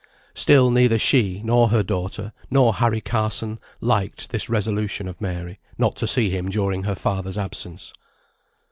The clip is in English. Still neither she, nor her daughter, nor Harry Carson liked this resolution of Mary, not to see him during her father's absence.